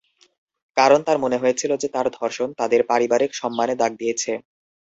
কারণ তার মনে হয়েছিল যে তার ধর্ষণ তাদের পারিবারিক সম্মানে দাগ দিয়েছে।